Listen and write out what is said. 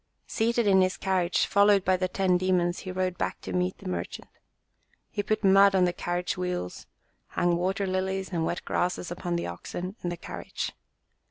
Seated in his carriage, followed by the ten demons, he rode back to meet the merchant. He put mud on the carriage wheels, hung water lilies and wet grasses upon the oxen and the carriage.